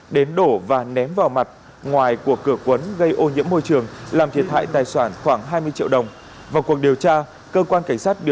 đến đổ và ném vào nhà của người dân gây ô nhiễm môi trường thiệt hại tài sản và khiến dư luận hoàng mạng